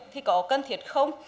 thì có cần thiệt không